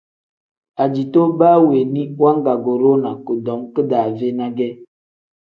Ajito baa weeni wangaguurinaa kudom kidaave ne ge.